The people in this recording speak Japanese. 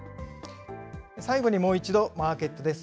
最後にもう一度、マーケットです。